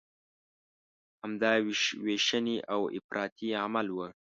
همدا ویشنې او افراطي عمل و.